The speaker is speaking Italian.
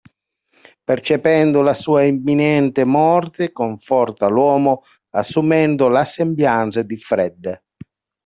Percependo la sua imminente morte conforta l'uomo assumendo le sembianze di Fred.